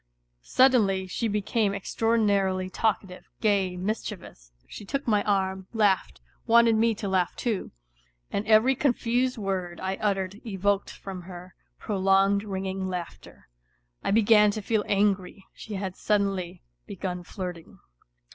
Suddenly she became extraordinarily talkative, gay, mis chievous; she took my arm, laughed, wanted me to laugh too, 36 WHITE NIGHTS and every confused word I uttered evoked from her prolonged ringing laughter. ... I began to feel angry, she had suddenly begun flirting.